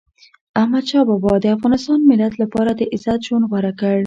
احمدشاه بابا د افغان ملت لپاره د عزت ژوند غوره کړ.